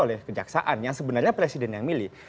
oleh kejaksaan yang sebenarnya presiden yang milih